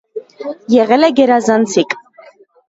Եղել է գերազանցիկ։